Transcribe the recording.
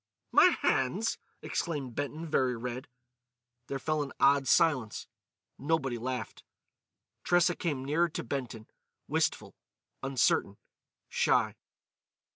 "My hands!" exclaimed Benton, very red. There fell an odd silence. Nobody laughed. Tressa came nearer to Benton, wistful, uncertain, shy.